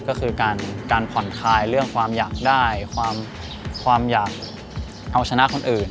ก็คือการผ่อนคลายเรื่องความอยากได้ความอยากเอาชนะคนอื่น